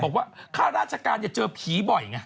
บอกว่าข้าราชการจะเจอผีบ่อย